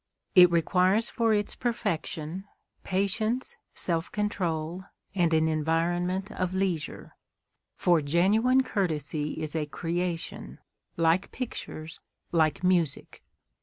It requires for its perfection patience, self control, and an environment of leisure. For genuine courtesy is a creation, like pictures, like music.